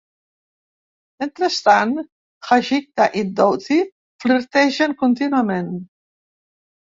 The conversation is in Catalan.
Mentrestant, Hagitha i Doughy flirtegen contínuament.